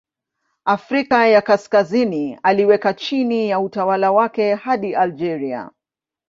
Afrika ya Kaskazini aliweka chini ya utawala wake hadi Algeria.